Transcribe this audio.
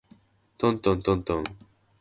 とんとんとんとん